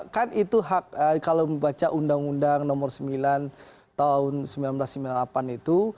kan itu hak kalau membaca undang undang nomor sembilan tahun seribu sembilan ratus sembilan puluh delapan itu